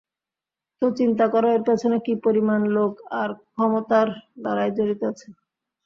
তো চিন্তা করো এর পেছনে কী পরিমাণ লোক আর ক্ষমতার লড়াই জড়িত আছে!